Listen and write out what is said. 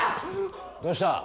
どうした？